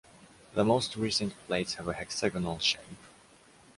The most recent plates have a hexagonal shape.